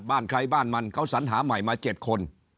บ้านใครบ้านมันเขาสัญหาใหม่มา๗คน